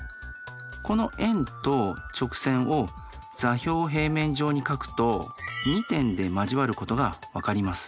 この円と直線を座標平面上に描くと２点で交わることが分かります。